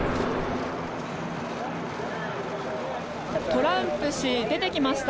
トランプ氏出てきました。